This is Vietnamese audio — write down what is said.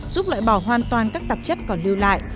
giúp loại bỏ hoàn toàn các tạp chất còn lưu lại